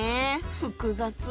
複雑。